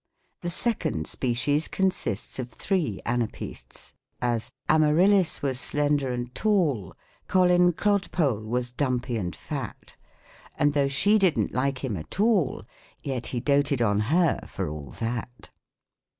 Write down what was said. The second species consists of three anapaests : as, " .Amaryllis was slcnder and tall, Colin Clodpole was dumpy and fat ; And tho' she did'n't like him at all, Yet he doted on her for all that."